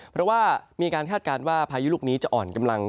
เพราะว่ามีการคาดการณ์ว่าพายุลูกนี้จะอ่อนกำลัง